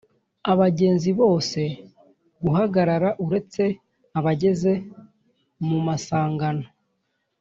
Abagenzi bose guhagarara uretse abageze mu masangano